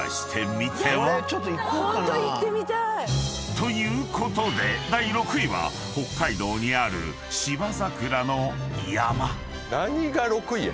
［ということで第６位は北海道にある芝桜の山］